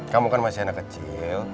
kamu kan masih anak kecil